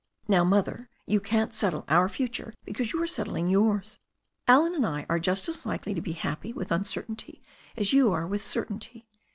"Now, Mother, you can't settle our future because you are settling yours. Allen and I are just as likely to be happy with uncertainty as you are with certainty.